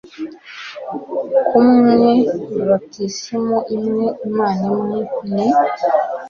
kumwe, batisimu imwe, imana imwe, ni